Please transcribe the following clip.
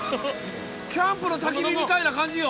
キャンプのたき火みたいな感じよ。